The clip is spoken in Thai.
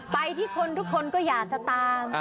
ไปที่คนทุกคนก็อยากจะตาม